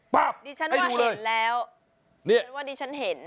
ป๊าบให้ดูเลยดิฉันว่าเห็นแล้วดิฉันเห็น